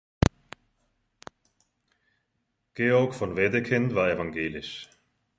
Georg von Wedekind war evangelisch.